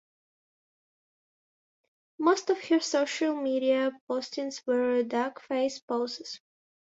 Most of her social media postings were duck-face poses